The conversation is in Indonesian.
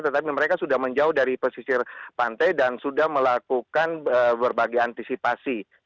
tetapi mereka sudah menjauh dari pesisir pantai dan sudah melakukan berbagai antisipasi